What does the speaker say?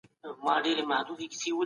عرف نظم ساتي.